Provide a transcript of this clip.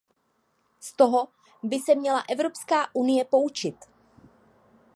Z toho by se měla Evropská unie poučit.